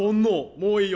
もういいよ。